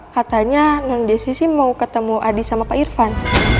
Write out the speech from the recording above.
katanya nandesi sih mau ketemu adi sama pak irfan